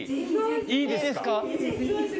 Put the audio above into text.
いいですか？